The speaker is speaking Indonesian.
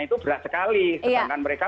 itu berat sekali sedangkan mereka